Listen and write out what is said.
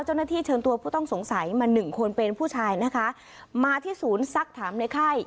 เจ้าหน้าที่เชิญตัวผู้ต้องสงสัยมาหนึ่งคนเป็นผู้ชายนะคะมาที่ศูนย์ซักถามในค่าย